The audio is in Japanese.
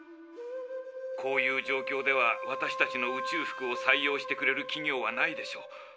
こういう状況では私たちの宇宙服を採用してくれる企業はないでしょう。